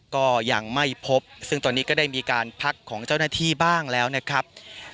ก็ยังไม่พบซึ่งตอนนี้ก็ได้มีการพักของเจ้าหน้าที่บ้างแล้วนะครับ